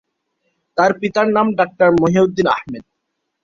তার পিতার নাম ডাক্তার মহিউদ্দিন আহমেদ।